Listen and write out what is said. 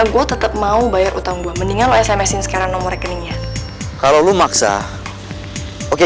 gue tetap mau bayar utang gue mendingan lo smsin sekarang nomor rekeningnya kalau lo maksa oke